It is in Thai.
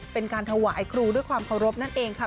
เป็นการถวายครูด้วยความเคารพนั่นเองค่ะ